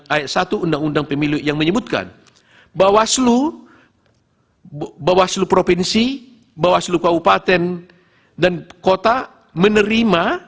ayat satu undang undang pemilu yang menyebutkan bawaslu bawaslu provinsi bawaslu kabupaten dan kota menerima